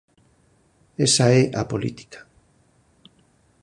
Esa é a política.